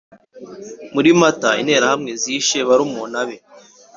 muri mata interahamwe zishe barumuna be,